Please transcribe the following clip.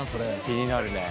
気になるね。